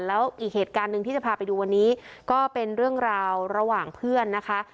แล้วอีกเหตุการณ์หนึ่งที่จะพาไปดูวันนี้ก็เป็นเรื่องราวระหว่างเพื่อนนะคะ